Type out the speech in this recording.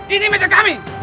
ini meja kami